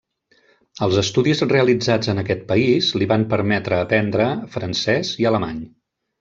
Els estudis realitzats en aquest país li van permetre aprendre francès i alemany.